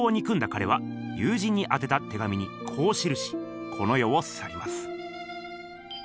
かれは友人にあてた手紙にこう記しこの世をさります。